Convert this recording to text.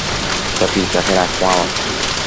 Tapicha herakuãva.